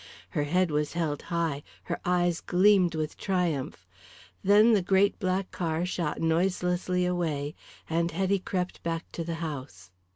Her head was held high, her eyes gleamed with triumph. Then the great black car shot noiselessly away, and Hetty crept back to the house.